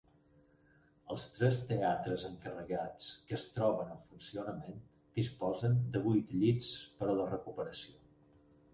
Els tres teatres encarregats que es troben en funcionament disposen de vuit llits per a la recuperació.